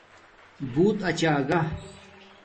بݸت اچاگہ